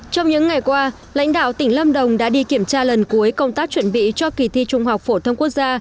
trong những ngày qua lãnh đạo tỉnh lâm đồng đã đi kiểm tra lần cuối công tác chuẩn bị cho kỳ thi trung học phổ thông quốc gia